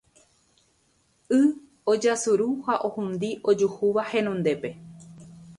Y ojasuru ha ohundi ojuhúva henondépe